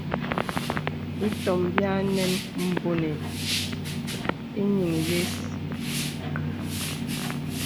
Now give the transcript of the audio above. Ìtòm bì ànɛn bpɔnì ìyìŋ yə̀s.